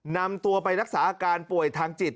นำตัวไปรักษาอาการป่วยทางจิต